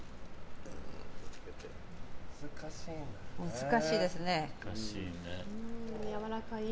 難しいですね。